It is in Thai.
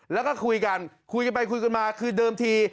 แล้วก็คุยกันคุยกันไปคุยกันมาคือเดิมที